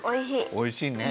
おいしいね。